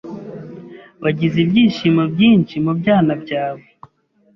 Wagize ibyishimo byinshi mubyana byawe?